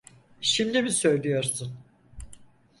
Şimdi mi söylüyorsun?